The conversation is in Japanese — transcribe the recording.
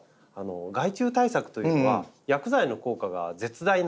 害虫対策というのは薬剤の効果が絶大なんです。